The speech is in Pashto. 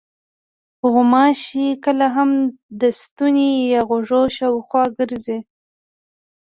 غوماشې کله هم د ستوني یا غوږ شاوخوا ګرځي.